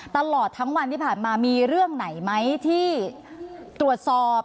ตลอดทั้งวันที่ผ่านมามีเรื่องไหนไหมที่ตรวจสอบ